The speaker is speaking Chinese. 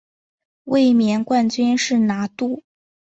卫冕冠军是拿度。